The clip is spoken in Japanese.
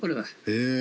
へえ。